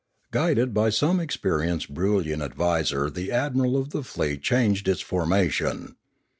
Guided by some experienced Broolyian ad viser the admiral of the fleet changed its formation.